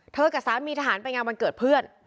กับสามีทหารไปงานวันเกิดเพื่อน